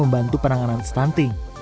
membantu penanganan stunting